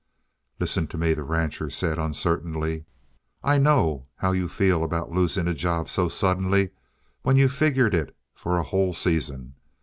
"Listen to me," the rancher said uncertainly. "I know how you feel about losing a job so suddenly when you figured it for a whole season.